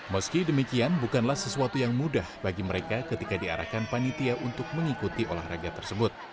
meski demikian bukanlah sesuatu yang mudah bagi mereka ketika diarahkan panitia untuk mengikuti olahraga tersebut